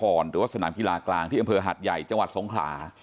หรือว่าสนามกีฬากลางที่อำเภอหัดใหญ่จังหวัดสงขลา